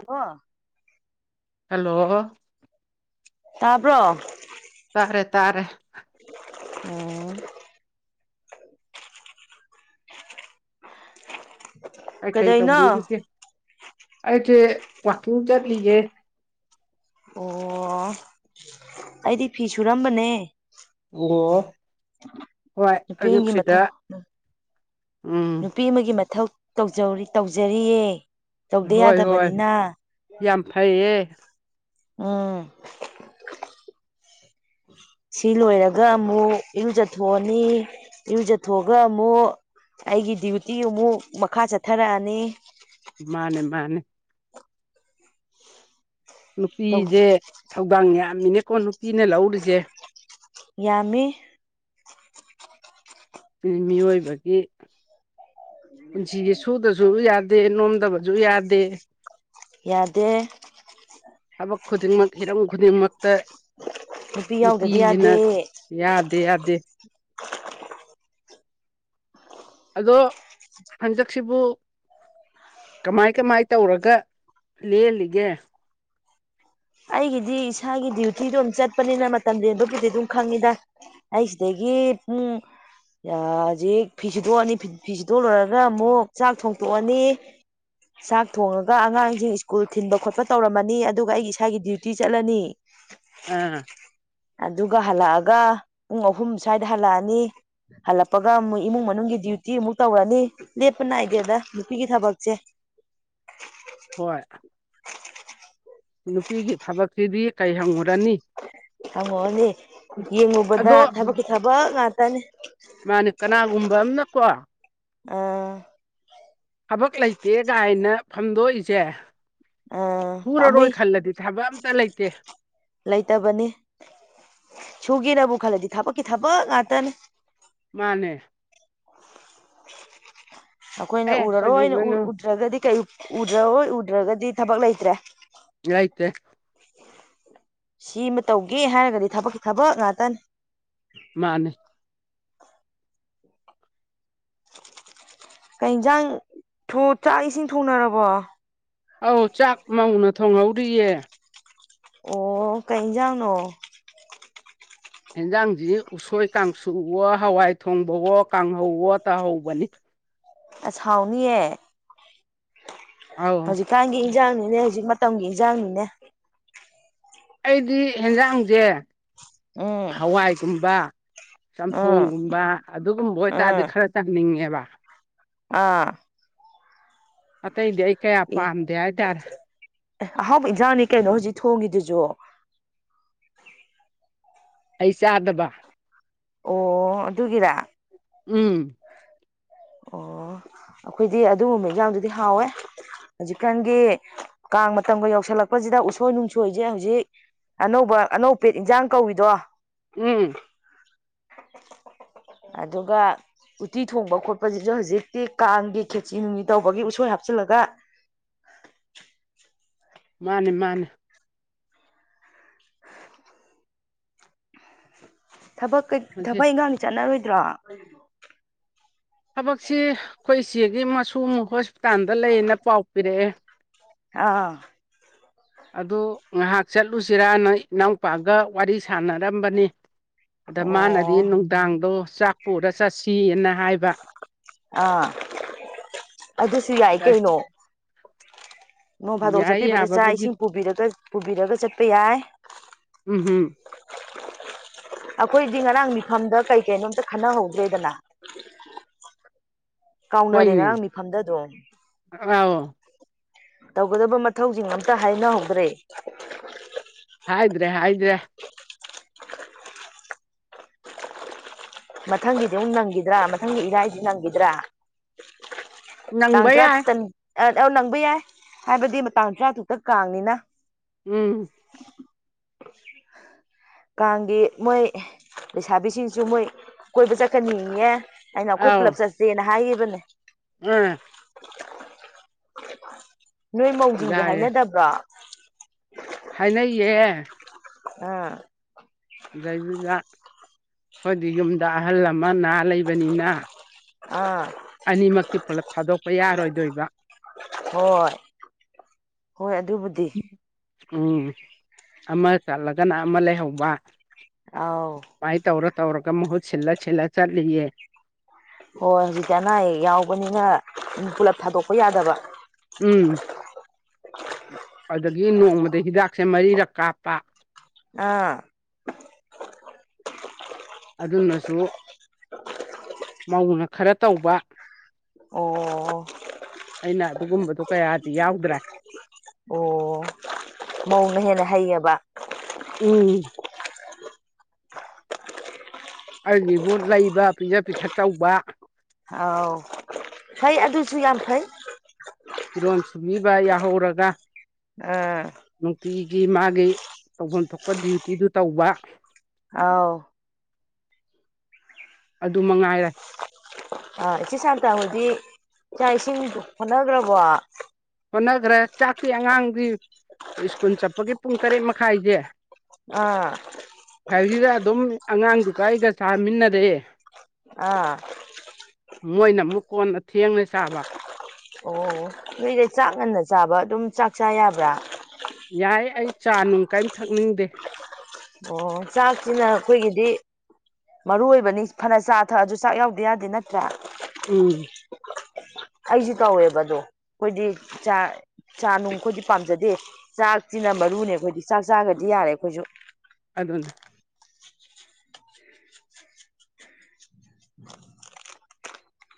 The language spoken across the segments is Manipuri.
ꯀ ꯍꯜꯂꯣ ꯇꯄ꯭ꯔꯣ ꯇꯥꯔꯦ ꯇꯥꯔꯦ ꯎꯝ ꯑꯩꯈ ꯑꯩ ꯇ ꯀꯩꯗꯩꯅꯣ ꯎꯕꯤꯕꯤꯔꯤꯁꯤꯦ ꯑꯩꯁꯦ ꯄꯄꯤ ꯆꯠꯂꯤꯒꯦ ꯑꯣ ꯑꯩꯗꯤ ꯐꯤ ꯁꯨꯔꯝꯕꯅꯦ ꯑꯣ ꯍꯣꯏ ꯅꯨꯄꯤ ꯑꯃꯒꯤ ꯑꯌꯨꯛꯁꯤꯗ ꯃꯊꯧ ꯎꯝ ꯅꯨꯄꯤ ꯑꯃꯒꯤ ꯃꯊꯧ ꯇꯧꯖꯧꯔꯤ ꯇꯧꯖꯔꯤꯌꯦ ꯇꯧꯗ ꯍꯣꯏ ꯍꯣꯏ ꯌꯥꯗꯕꯅꯤꯅ ꯌꯥꯝ ꯐꯩꯌꯦ ꯎꯝ ꯁꯤ ꯂꯣꯏꯔꯒ ꯑꯃꯨꯛ ꯏꯔꯨꯖꯊꯣꯛꯑꯅꯤ ꯏꯔꯨꯖꯊꯣꯛꯑꯒ ꯑꯃꯨꯛ ꯑꯩꯒꯤ ꯗ꯭ꯌꯨꯇꯤ ꯑꯃꯨꯛ ꯃꯈꯥ ꯆꯠꯊꯔꯛꯑꯅꯤ ꯃꯥꯅꯦ ꯃꯥꯅꯦ ꯇꯧ ꯅꯨꯄꯤꯗꯤ ꯊꯧꯗꯥꯡ ꯌꯥꯝꯃꯤꯅꯦꯀꯣ ꯅꯨꯄꯤꯅ ꯂꯧꯔꯤꯁꯦ ꯌꯥꯃꯤ ꯃꯤꯑꯣꯏꯕꯒꯤ ꯄꯨꯟꯁꯤꯁ ꯁꯨꯗꯁꯨ ꯌꯥꯗꯦ ꯅꯣꯝꯗꯕꯁꯨ ꯌꯥꯗꯦ ꯌꯥꯗꯦ ꯅꯨꯄꯤ ꯌꯥꯎꯗꯗꯤ ꯅꯨꯄꯤꯁꯤꯅ ꯌꯥꯗꯦ ꯌꯥꯗꯦ ꯌꯥꯗꯦ ꯑꯗꯣ ꯍꯟꯗꯛꯁꯤꯕꯨ ꯀꯃꯥꯏ ꯀꯃꯥꯏ ꯇꯧꯔꯒ ꯂꯦꯜꯂꯤꯒꯦ ꯑꯩꯒꯤꯗꯤ ꯏꯁꯥꯒꯤ ꯗ꯭ꯌꯨꯇꯤꯗꯣ ꯑꯗꯨꯝ ꯆꯠꯄꯅꯤꯅ ꯃꯇꯝ ꯂꯦꯟꯕꯕꯨꯗꯤ ꯑꯗꯨꯝ ꯈꯪꯉꯤꯗ ꯑꯩ ꯁꯤꯗꯒꯤ ꯎ ꯎꯝ ꯍꯧꯖꯤꯛ ꯐꯤ ꯁꯤꯨꯗꯣꯛꯑꯅꯤ ꯐꯤ ꯁꯤꯗꯣꯛꯂꯣꯏꯨꯔꯒ ꯑꯃꯨꯛ ꯆꯥꯛ ꯊꯣꯡꯇꯣꯛꯑꯅꯤ ꯆꯥꯛ ꯊꯣꯡꯉꯒ ꯑꯉꯥꯡꯁꯤꯡ ꯁ꯭ꯀꯨꯜ ꯊꯤꯟꯕ ꯈꯣꯠꯄ ꯇꯧꯔꯝꯃꯅꯤ ꯑꯗꯨꯒ ꯑꯩꯒꯤ ꯏꯁꯥꯒꯤ ꯗ꯭ꯌꯨꯇꯤ ꯆꯠꯂꯅꯤ ꯑꯥ ꯑꯗꯨꯒ ꯍꯜꯂꯛꯑꯒ ꯄꯨꯡ ꯑꯍꯨꯝ ꯁ꯭ꯋꯥꯏꯗ ꯍꯜꯂꯛꯑꯅꯤ ꯍꯜꯂꯛꯄꯒ ꯃꯣꯏ ꯏꯃꯨꯡ ꯃꯅꯨꯡꯒꯤ ꯗ꯭ꯌꯨꯇꯤ ꯑꯃꯨꯛ ꯇꯧꯔꯅꯤ ꯂꯦꯞꯄ ꯅꯥꯏꯗꯦꯗ ꯅꯨꯄꯤꯒꯤ ꯊꯕꯛꯁꯦ [inaudible] ꯍꯣꯏ [inaudible] ꯅꯨꯄꯤꯒꯤ ꯊꯕꯛꯁꯤꯗꯤ ꯀꯩ ꯍꯪꯉꯨꯔꯅꯤ ꯍꯪꯉꯛꯑꯣꯅꯦ ꯌꯦꯡꯉꯨꯕꯗ ꯑꯗꯣ ꯊꯕꯛꯀꯤ ꯊꯕꯛ ꯉꯥꯛꯇꯅꯦ ꯃꯥꯅꯦ ꯀꯅꯥꯒꯨꯝꯕ ꯑꯅꯀꯣ ꯑꯥ ꯊꯕꯛ ꯂꯩꯇꯦ ꯀꯥꯏꯅ ꯐꯝꯗꯣꯛꯏꯁꯦ ꯑꯥ ꯄꯨꯔꯔꯣꯏ ꯄꯥꯝꯃꯨꯏ ꯈꯜꯂꯗꯤ ꯊꯕꯛ ꯑꯝꯇ ꯂꯩꯇꯦ [inaudible] ꯂꯩꯇꯕꯅꯤ ꯁꯨꯒꯦꯅꯕꯨ ꯈꯜꯂꯗꯤ ꯊꯕꯛꯀꯤ ꯊꯕꯛ ꯉꯇꯅꯦ ꯃꯥꯅꯦ ꯑꯩꯈꯣꯏꯅ ꯑꯦ ꯎꯔꯔꯣꯏꯅ ꯀꯩꯗꯧꯗꯣꯏꯅꯣ ꯎꯗ꯭ꯔꯒꯗꯤ ꯎꯗ꯭ꯔꯔꯣꯏ ꯎꯗ꯭ꯔꯒꯗꯤ ꯊꯕꯛ ꯂꯩꯇ꯭ꯔꯦ ꯑꯥꯏꯇꯦ ꯁꯤꯃ ꯇꯧꯒꯦ ꯍꯥꯏꯔꯒꯗꯤ ꯊꯕꯛꯀꯤ ꯊꯕꯛ ꯉꯥꯛꯇꯅꯤ ꯃꯥꯅꯦ ꯌꯦꯟꯁꯥꯡ ꯆꯥꯛ ꯏꯁꯤꯡ ꯊꯣꯡꯅꯔꯕꯣ ꯑꯧ ꯆꯥꯛ ꯃꯧꯅ ꯊꯣꯡꯍꯧꯔꯤꯌꯦ ꯑꯣ ꯀꯩꯖꯥꯎꯅꯣ ꯑꯦꯟꯖꯥꯡꯁꯤ ꯎꯁꯣꯏ ꯀꯥꯡꯁꯨꯋ ꯍꯋꯥꯏ ꯊꯣꯡꯕꯋꯣ ꯀꯥꯡꯍꯧꯋꯣ ꯇꯥꯍꯧꯕꯅꯤ ꯑꯁꯥꯎꯅꯤꯌꯦ ꯑꯧ ꯍꯧꯖꯤꯛꯀꯥꯟꯒꯤ ꯏꯟꯖꯥꯡꯅꯤꯅꯦ ꯍꯧꯖꯤꯛ ꯃꯇꯝꯒꯤ ꯑꯦꯛꯖꯥꯝꯅꯤꯅꯦ ꯑꯩꯗꯤ ꯌꯦꯟꯖꯥꯡꯁꯦ ꯎꯝ ꯍꯋꯥꯏꯒꯨꯝꯕ ꯎꯝ ꯆꯝꯊꯣꯡꯒꯨꯝꯕ ꯑꯗꯨꯒꯨꯝꯕ ꯑꯣꯏꯇꯥꯔꯗꯤ ꯎꯝ ꯈꯔ ꯇꯝꯅꯤꯡꯉꯦꯕ ꯑꯥ ꯑꯇꯩꯗꯤ ꯑꯩ ꯀꯌꯥ ꯄꯥꯝꯗꯦ ꯍꯥꯏꯇꯥꯔꯦ ꯑꯦ ꯑꯍꯥꯎꯕ ꯏꯟꯖꯥꯡꯅꯤ ꯀꯩꯅꯣ ꯍꯧꯖꯤꯛ ꯊꯣꯡꯉꯤꯗꯨꯁꯨ ꯑꯩꯁꯥꯗꯕ ꯑꯣ ꯑꯗꯨꯒꯤꯔ ꯎꯝ ꯑꯣ ꯑꯩꯈꯣꯏꯗꯤ ꯑꯗꯨꯒꯨꯝꯕ ꯏꯟꯖꯥꯡꯗꯨꯗꯤ ꯍꯥꯎꯋꯦ ꯍꯧꯖꯤꯛꯀꯥꯟꯒꯤ ꯀꯥꯡ ꯃꯇꯝꯒ ꯌꯧꯁꯜꯂꯛꯄꯁꯤꯗ ꯎꯁꯣꯏ ꯅꯨꯡꯁꯣꯏꯁꯦ ꯍꯧꯖꯤꯛ ꯑꯅꯧꯕ ꯑꯅꯧꯕ ꯄꯦꯠ ꯏꯟꯖꯥꯡ ꯀꯧꯏꯗꯣ ꯎꯝ ꯑꯗꯨꯒ ꯎꯇꯤ ꯊꯣꯡꯕ ꯈꯣꯠꯄꯁꯤꯁꯨ ꯍꯧꯖꯤꯛꯇꯤ ꯀꯥꯡꯒꯤꯦ ꯈꯦꯆꯤ ꯅꯨꯡꯅꯤ ꯇꯧꯕꯒꯤ ꯎꯁꯣꯏ ꯍꯥꯞꯆꯤꯜꯂꯒ ꯃꯥꯅꯦ ꯃꯥꯅꯦ ꯊꯕꯛ ꯍꯧꯖꯤꯛ ꯊꯕꯛ ꯏꯪꯈꯥꯡ ꯆꯠꯅꯔꯣꯏꯗ꯭ꯔꯣ ꯊꯕꯛꯁꯤ ꯑꯩꯈꯣꯏ ꯏ ꯆꯦꯒꯤ ꯃꯁꯨ ꯍꯣꯁꯄꯤꯇꯥꯜꯗ ꯂꯩꯌꯦꯅ ꯄꯥꯎ ꯄꯤꯔꯛꯑꯦ ꯑꯥ ꯑꯗꯨ ꯉꯥꯏꯍꯥꯛ ꯆꯠꯂꯨꯁꯤꯔꯥ ꯅ ꯏꯅꯥꯎꯄꯥꯒ ꯋꯥꯔꯤ ꯁꯥꯟꯅꯔꯝꯕꯅꯤ ꯑꯗ ꯃꯥꯅꯗꯤ ꯑꯣ ꯅꯨꯡꯗꯥꯡꯗꯣ ꯆꯥꯛ ꯄꯨꯔ ꯆꯠꯁꯤꯅ ꯍꯥꯏꯕ ꯑꯥ ꯑꯗꯨꯁꯨ ꯌꯥꯏ ꯑꯗ ꯀꯩꯅꯣ ꯅꯣꯡ ꯐꯥꯗꯣꯛ ꯌꯥꯏ ꯆꯠꯄꯤꯕꯗ ꯆꯥꯛ ꯌꯥꯕꯕꯨꯗꯤ ꯏꯁꯤꯡ ꯄꯨꯕꯤꯔ ꯄꯨꯕꯤꯔꯒ ꯆꯠꯄ ꯌꯥꯏ ꯎꯝ ꯎꯝ ꯑꯩꯈꯣꯏꯗꯤ ꯉꯔꯥꯡ ꯃꯤꯐꯝꯗ ꯀꯩ ꯀꯩꯅꯣ ꯑꯝꯇ ꯈꯟꯅꯍꯧꯗ꯭ꯔꯦꯗꯅ ꯀꯥꯎꯅꯔꯦ ꯍꯣꯏꯅꯦ ꯉꯔꯥꯡ ꯃꯤꯐꯝꯗ ꯑꯗꯨꯝ ꯑꯥꯎ ꯇꯧꯒꯗꯕ ꯃꯊꯧꯁꯤꯡ ꯑꯝꯇ ꯍꯥꯏꯅꯍꯧꯗ꯭ꯔꯦ ꯍꯥꯏꯗ꯭ꯔꯦ ꯍꯥꯏꯗ꯭ꯔꯦ ꯃꯊꯪꯒꯤꯗꯤ ꯑꯃꯨꯛ ꯅꯪꯒꯤꯗ꯭ꯔꯥ ꯃꯊꯪꯒꯤ ꯏꯔꯥꯏꯁꯤ ꯅꯪꯈꯤꯗ꯭ꯔꯥ ꯇꯥꯡ ꯅꯪꯕ ꯌꯥꯏ ꯇ꯭ꯔꯥꯇꯨꯛꯇꯅꯤ ꯑ ꯅꯪꯕ ꯌꯥꯏ ꯍꯥꯏꯕꯗꯤ ꯃꯇꯥꯡ ꯇꯔꯥꯇꯨꯛꯇ ꯀꯥꯡꯅꯤꯅ ꯎꯝ ꯀꯥꯡꯒꯤ ꯃꯣꯏ ꯂꯩꯁꯥꯕꯤꯁꯤꯡꯁꯨ ꯃꯣꯏ ꯀꯣꯏꯕ ꯆꯠꯀꯟꯅꯤꯌꯦ ꯑꯩꯅ ꯑꯩꯈꯣꯏ ꯄꯨꯂꯞ ꯆꯠꯁꯦꯅ ꯍꯥꯏꯈꯤꯕꯅꯦ ꯎꯝ [unintelligible] ꯅꯣꯏ ꯃꯧꯖꯤꯡꯒꯤ ꯌꯥꯏꯌꯦ ꯍꯥꯏꯅꯗꯕ꯭ꯔꯥ ꯍꯥꯏꯅꯩꯌꯦ ꯑꯥ ꯑꯗꯩꯗꯨꯗ ꯈꯣꯏꯗꯤ ꯌꯨꯝꯗ ꯑꯍꯜ ꯑꯃ ꯅꯥꯥ ꯂꯩꯕꯅꯤꯅ ꯑꯥ ꯑꯅꯤꯃꯛꯇꯤ ꯄꯨꯂꯞ ꯊꯥꯗꯣꯛꯄ ꯌꯥꯔꯣꯏꯗꯣꯏꯕ ꯍꯣꯏ ꯍꯣꯏ ꯑꯗꯨꯕꯨꯗꯤ ꯎꯝ ꯑꯃ ꯀꯠꯂꯒꯅ ꯑꯃ ꯂꯩꯍꯧꯕ ꯑꯥꯎ ꯁꯨꯃꯥꯏꯅ ꯇꯧꯔ ꯇꯧꯔꯒ ꯃꯍꯨꯠ ꯁꯤꯜꯂ ꯁꯤꯜꯂꯒ ꯆꯠꯂꯤꯌꯦ ꯍꯣꯏ ꯍꯧꯖꯤꯛꯇꯤ ꯑꯅꯥ ꯑꯌꯦꯛ ꯌꯥꯎꯕꯅꯤꯅ ꯄꯨꯂꯞ ꯊꯥꯗꯣꯛꯄ ꯌꯥꯗꯕ ꯎꯝ ꯑꯗꯒꯤ ꯅꯣꯡꯃꯗ ꯍꯤꯗꯥꯛꯁꯦ ꯃꯔꯤꯔꯛ ꯀꯥꯞꯄ ꯑꯥ ꯑꯗꯨꯅꯁꯨ ꯃꯧꯅ ꯈꯔ ꯇꯧꯕ ꯑꯣ ꯑꯩꯅ ꯑꯗꯨꯒꯨꯝꯕꯗꯨꯣ ꯀꯌꯥꯁꯤ ꯌꯥꯎꯗ꯭ꯔꯦ ꯑꯣ ꯃꯧꯅ ꯍꯦꯟꯅ ꯍꯩꯌꯦꯕ ꯎꯝ ꯑꯩꯒꯤꯕꯨ ꯂꯩꯕ ꯄꯤꯖ ꯄꯤꯊꯛ ꯇꯧꯕ ꯑꯥꯎ ꯐꯩ ꯑꯗꯨꯁꯨ ꯌꯥꯝ ꯐꯩ ꯐꯤꯔꯣꯟ ꯁꯨꯝꯕꯤꯕ ꯌꯥꯍꯧꯔꯒ ꯑꯥ ꯒꯤ ꯃꯥꯒꯤ ꯇꯧꯐꯝ ꯊꯣꯛꯄ ꯗ꯭ꯌꯨꯇꯤꯗꯨ ꯇꯧꯕ ꯑꯥꯎ ꯑꯗꯨ ꯃꯉꯥꯏꯔꯦ ꯑ ꯏꯆꯦ ꯁꯥꯟꯇꯕꯨꯗꯤ ꯏꯥꯛ ꯏꯁꯤꯡ ꯍꯣꯠꯅꯈ꯭ꯔꯕꯣ ꯍꯣꯠꯅꯈ꯭ꯔꯦ ꯆꯥꯛꯇꯤ ꯑꯉꯥꯡꯗꯤ ꯁ꯭ꯀꯨꯜ ꯆꯠꯄꯒꯤ ꯄꯨꯡ ꯇꯔꯦꯠ ꯃꯈꯥꯏꯁꯦ ꯑꯥ ꯀꯁꯤꯗ ꯑꯗꯨꯝ ꯑꯉꯥꯡꯗꯨꯒ ꯑꯩꯒ ꯆꯥꯃꯤꯟꯅꯔꯦ ꯑꯥ ꯃꯣꯏꯅ ꯑꯃꯨꯛ ꯀꯣꯟꯅ ꯊꯦꯡꯂꯦ ꯆꯥꯕ ꯑꯣ ꯅꯣꯏꯗꯩ ꯆꯥꯛ ꯉꯟꯅ ꯆꯥꯕ ꯑꯗꯨꯝ ꯆꯥꯛ ꯆꯥ ꯌꯥꯕ꯭ꯔꯥ ꯌꯥꯏ ꯑꯩ ꯆꯥ ꯅꯨꯡ ꯀꯔꯤꯝ ꯊꯛꯅꯤꯡꯗꯦ ꯑꯣ ꯆꯥꯛꯁꯤꯅ ꯑꯩꯈꯣꯏꯒꯤꯗꯤ ꯃꯔꯨ ꯑꯣꯏꯕꯅꯤ ꯐꯅ ꯆꯥ ꯊꯛꯑꯁꯨ ꯆꯥꯛ ꯌꯥꯎꯗ ꯌꯥꯗꯦ ꯅꯠꯇ꯭ꯔꯥ ꯎꯝ ꯑꯩꯁ ꯇꯧꯋꯦꯕ ꯑꯗꯣ ꯑꯩꯈꯣꯏꯗꯤ ꯆꯥ ꯆꯥ ꯅꯨꯡ ꯑꯩꯈꯣꯏꯗꯤ ꯄꯥꯝꯖꯗꯦ ꯆꯥꯛ ꯈ ꯃꯔꯨꯅꯦ ꯑꯩꯈꯣꯏꯗꯤ ꯆꯥꯛ ꯆꯥꯒꯗꯤ ꯌꯥꯔꯦ ꯑꯩꯈꯣꯏꯁꯨ ꯑꯗꯨꯗꯅꯦ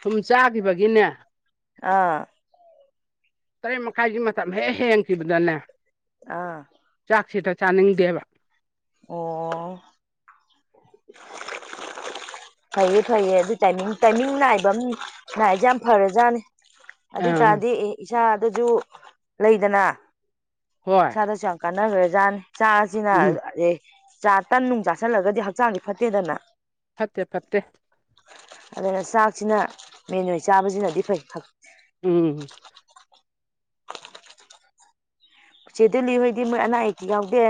ꯁꯨꯝ ꯆꯥꯈꯤꯕꯒꯤꯅꯦ ꯑꯥ ꯇꯔꯦꯠ ꯃꯈꯥꯏꯒꯤ ꯃꯇꯝ ꯍꯦꯛ ꯍꯦꯡꯈꯤꯕꯗꯅꯦ ꯑꯥ ꯆꯥꯛꯁꯤꯗ ꯆꯥꯅꯤꯡꯗꯦꯕ ꯑꯣ [unintelligible] ꯐꯩꯌꯦ ꯐꯩꯌꯦ ꯑꯗꯨꯏ ꯇꯥꯏꯃꯤꯡ ꯇꯥꯏꯃꯤꯡ ꯅꯥꯏꯕ ꯑꯃ ꯅꯥꯏꯁꯦ ꯌꯥꯝ ꯐꯔꯦꯖꯥꯠꯅꯦ ꯑꯗꯨꯏ ꯑꯥ ꯇꯔꯗꯤ ꯑꯦ ꯏꯁꯥ ꯑꯗꯨꯁꯨ ꯂꯩꯗꯅ ꯍꯣꯏ ꯆꯥꯗ ꯆꯪꯀꯥꯟꯅꯈ꯭ꯔꯦꯖꯥꯅꯤ ꯆꯥꯁꯤꯅ ꯎꯝ ꯆꯥ ꯇꯟ ꯅꯨꯡ ꯆꯥꯥꯁꯜꯂꯒꯗꯤ ꯍꯛꯆꯥꯡꯗꯤ ꯐꯠꯇꯦꯗꯅ ꯐꯠꯇꯦ ꯐꯠꯇꯦ ꯑꯗꯨꯅ ꯆꯥꯛꯁꯤꯅ ꯃꯦꯟ ꯑꯣꯏꯅ ꯆꯥꯕꯁꯤꯅꯗꯤ ꯐꯩ ꯎꯝ ꯎꯆ ꯎꯆꯦꯗꯜꯂꯤ ꯍꯣꯏꯗꯤ ꯃꯣꯏ ꯑꯅꯥ ꯑꯌꯦꯛꯛꯇ ꯌꯥꯎꯗꯦ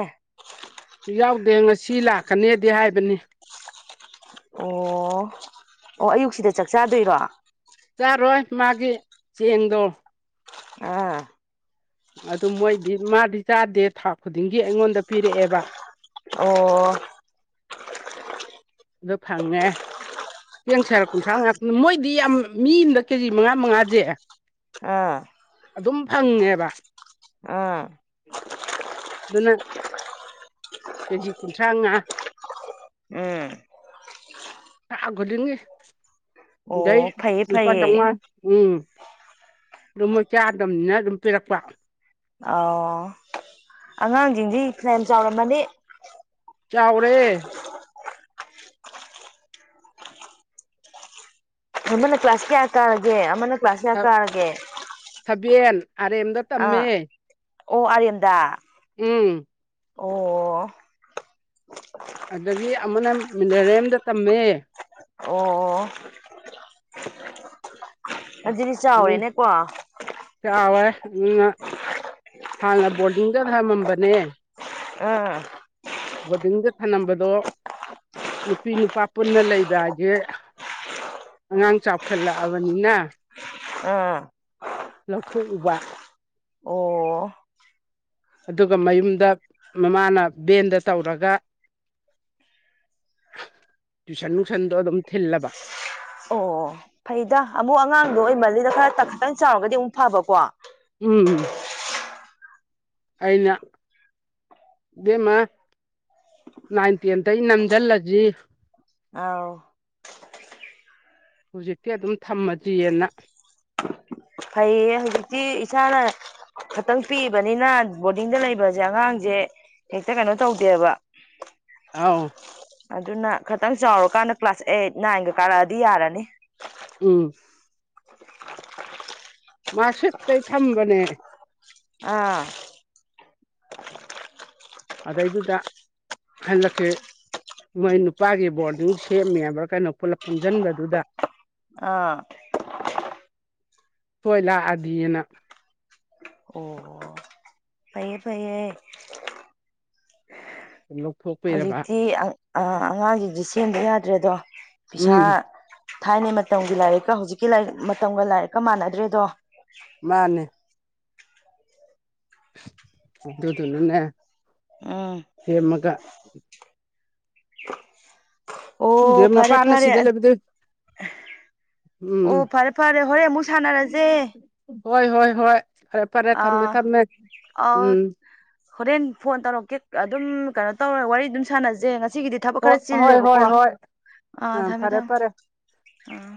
ꯌꯥꯎꯗꯦ ꯉꯁꯤ ꯂꯥꯛꯀꯅꯦꯗꯤ ꯍꯥꯏꯕꯅꯤ ꯑꯣ ꯑꯣ ꯑꯌꯨꯛꯁꯤꯗ ꯆꯥꯛ ꯆꯥꯗꯣꯏꯔꯣ ꯆꯥꯔꯣꯏ ꯃꯥꯒꯤ ꯆꯦꯡꯗꯣ ꯑꯥ ꯑꯗꯨ ꯃꯣꯏꯗꯤ ꯃꯥꯗꯤ ꯆꯥꯗꯦ ꯊꯥ ꯈꯨꯗꯤꯡꯒꯤ ꯑꯩꯉꯣꯟꯗ ꯄꯤꯔꯛꯑꯦꯕ ꯑꯣ ꯑꯗꯣ ꯐꯪꯉꯦ ꯆꯦꯡ ꯁꯥꯔ ꯀꯨꯟꯊ꯭ꯔꯥ ꯉꯥꯛꯇꯅꯤ ꯃꯣꯏꯗꯤ ꯌꯥꯝ ꯃꯤ ꯑꯃꯗ ꯀꯦꯖꯤ ꯃꯉꯥ ꯃꯉꯥꯁꯦ ꯑꯥ ꯑꯗꯨꯝ ꯐꯪꯉꯦꯕ ꯑꯥ [unintelligible] ꯀꯦꯖꯤ ꯀꯨꯟꯊ꯭ꯔꯥ ꯃꯉꯥ ꯎꯝ [inaudible] ꯗꯩ ꯑꯣ ꯐꯩꯌꯦ ꯂꯨꯄꯥ ꯐꯩꯌꯦ ꯆꯧꯉꯥ ꯎꯝ ꯑꯗꯨꯝ ꯃꯣꯏ ꯆꯥꯗꯕꯅꯤꯅ ꯑꯗꯨꯝ ꯄꯤꯔꯛꯄ ꯑꯉꯥꯡꯁꯤꯡꯁꯤ ꯐꯌꯥꯝ ꯆꯥꯎꯔꯝꯃꯅꯤ ꯆꯥꯎꯔꯦ ꯑꯃꯅ ꯀ꯭ꯂꯥꯁ ꯀꯌꯥ ꯀꯥꯔꯒꯦ ꯑꯃꯅ ꯀ꯭ꯂꯥꯁ ꯀꯌꯥ ꯀꯥꯔꯒꯦ ꯊꯕꯦꯟ ꯑꯔꯦꯝꯗ ꯑꯥ ꯇꯝꯃꯦ ꯑꯣ ꯑꯔꯌꯟꯗꯗꯥ ꯎꯝ ꯑꯣ ꯑꯣ ꯑꯗꯒꯤ ꯑꯃꯅ ꯃꯤꯅꯔꯦꯝꯗ ꯇꯝꯃꯦ ꯑꯣ ꯑꯗꯨꯖꯤꯗꯤ ꯑꯗꯨꯝ ꯆꯥꯎꯔꯦꯅꯦꯀꯣ ꯆꯥꯎꯔꯦ ꯍꯥꯟꯅ ꯕꯣꯔꯗꯤꯡꯗ ꯊꯝꯃꯝꯕꯅꯦ ꯑꯝ ꯕꯣꯔꯗꯤꯡꯗ ꯊꯝꯂꯝꯝꯕꯗꯣ ꯅꯨꯄꯤ ꯅꯨꯄꯥ ꯄꯨꯟꯅ ꯂꯩꯕ ꯍꯥꯏꯁꯦ ꯑꯉꯥꯡ ꯆꯥꯎꯁꯜꯂꯛꯑꯕꯅꯤꯅ ꯑꯥ ꯂꯧꯊꯣꯛꯎꯕ ꯑꯣ ꯑꯗꯨꯒ ꯃꯌꯨꯝꯗ ꯃꯃꯥꯅ ꯚꯦꯟꯗ ꯇꯧꯔꯒ ꯇꯨꯏꯁꯟ ꯅꯨꯁꯟꯗꯣ ꯑꯗꯨꯝ ꯊꯤꯜꯂꯕ ꯑꯣ ꯐꯩꯗ ꯑꯃꯨꯛ ꯑꯉꯥꯡꯗꯣ ꯑꯩ ꯃꯜꯂꯤꯗ ꯈꯔ ꯈꯛꯇꯪ ꯆꯥꯎꯔꯒꯗꯤ ꯑꯃꯨꯛ ꯐꯕꯀꯣ ꯎꯝ ꯎꯝ ꯑꯩꯅ ꯏꯦꯝꯃ ꯅꯥꯏꯟ ꯇꯦꯟꯗꯒꯤ ꯅꯝꯁꯤꯜꯂꯁꯤ ꯑꯥꯎ ꯍꯧꯖꯤꯛꯇꯤ ꯑꯗꯨꯝ ꯊꯝꯃꯗ꯭ꯔꯤꯑꯅ ꯐꯩ ꯍꯧꯛꯖꯤꯛꯇꯤ ꯏꯆꯅ ꯈꯤꯇꯪ ꯄꯤꯕꯅꯤꯅ ꯕꯣꯔꯗꯤꯡꯗ ꯂꯩꯕꯁꯦ ꯑꯉꯥꯡꯁꯦ ꯍꯦꯛꯇ ꯀꯩꯅꯣ ꯇꯧꯗꯦꯕ ꯑꯥꯎ ꯑꯗꯨꯅ ꯈꯤꯇꯪ ꯆꯥꯎꯔꯀꯥꯟꯗ ꯀ꯭ꯂꯥꯁ ꯑꯩꯠ ꯅꯥꯏꯟꯒ ꯀꯥꯔꯛꯑꯗꯤ ꯌꯥꯔꯅꯤ ꯎꯝ ꯃꯥꯁꯤꯇꯩ ꯊꯝꯕꯅꯦ ꯑꯥ ꯑꯗꯩꯗꯨꯗ ꯍꯜꯂꯛꯁ ꯃꯣꯏ ꯅꯨꯄꯥꯒꯤ ꯕꯣꯔꯗꯤꯡ ꯁꯦꯝꯃꯦꯕ꯭ꯔ ꯀꯩꯅꯣ ꯄꯨꯟꯁꯤꯟꯕꯗꯨꯗ ꯑꯥ ꯁꯣꯏ ꯂꯥꯛꯑꯗꯅ ꯐꯩ ꯐꯩꯩ ꯂꯧꯊꯣꯛꯄꯤꯔꯕ ꯍꯧꯖꯤꯛꯇꯤ ꯑꯉꯥꯡꯁꯤꯡꯗꯤ ꯁꯦꯝꯕ ꯌꯥꯗ꯭ꯔꯦ ꯑꯗꯣ ꯄꯩꯁꯥ ꯎꯝ ꯊꯥꯏꯅ ꯃꯇꯝꯒꯤ ꯂꯥꯏꯔꯤꯛꯀ ꯍꯧꯖꯤꯛꯀꯤ ꯂꯥꯏꯔꯤꯛ ꯃꯇꯝꯒ ꯂꯥꯏꯔꯤꯛꯀ ꯃꯥꯟꯅꯗ꯭ꯔꯦꯗꯣ ꯃꯥꯅꯦ ꯑꯗꯨ ꯑꯗꯨ ꯅꯅꯦ ꯎꯝ ꯍꯃꯒ ꯪ ꯑꯣ ꯐꯔꯦ ꯃꯄꯥꯟꯅ ꯐꯔꯦ ꯁꯤꯗ ꯂꯩꯕꯗꯨ ꯎꯝ ꯑꯣ ꯐꯔꯦ ꯐꯔꯦ ꯍꯣꯔꯦꯟ ꯑꯃꯨꯛ ꯁꯥꯟꯅꯔꯁꯦ ꯍꯣꯏ ꯍꯣꯏ ꯍꯣꯏ ꯐꯔꯦ ꯐꯔꯦ ꯊꯝꯃꯦ ꯑꯥ ꯊꯝꯃꯦ ꯑꯥꯎ ꯎꯝ ꯍꯣꯔꯦꯟ ꯐꯣꯟ ꯇꯧꯔꯛꯀꯦ ꯑꯗꯨꯝ ꯀꯩꯅꯣ ꯇꯧꯔ ꯋꯥꯔꯤ ꯑꯗꯨꯝ ꯁꯥꯟꯅꯖꯦ ꯉ ꯁꯤꯒꯤꯗꯤ ꯊꯕꯛ ꯍꯣꯏ ꯈꯔ ꯍꯣꯏ ꯆꯤꯜꯂꯦꯕꯀꯣ ꯍꯣꯏ ꯍꯣꯏ ꯑꯥ ꯑ ꯊꯝꯃꯦ ꯐꯔꯦ ꯊꯝꯃꯦ ꯐꯔꯦ ꯑꯥ